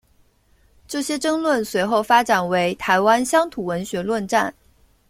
这些争论随后发展为台湾乡土文学论战。